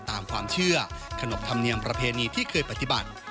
ตามความเชื่อขนบธรรมเนียมประเพณีที่เคยปฏิบัติ